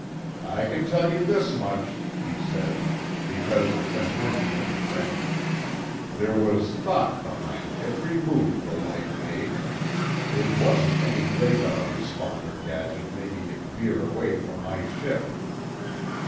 "I can tell you this much," he said, "because it's been mentioned in print. There was thought behind every move the light made. It wasn't any radar responder gadget making it veer away from my ship."